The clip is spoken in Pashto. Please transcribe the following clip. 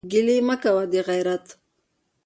ګلې مه کوه دغېرت.